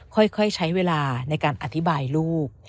ค่อยใช้เวลาในการอธิบายลูก